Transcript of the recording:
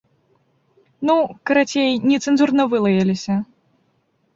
Ну, карацей, нецэнзурна вылаяліся.